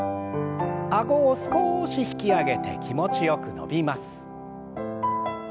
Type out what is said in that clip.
あごを少し引き上げて気持ちよく伸びます。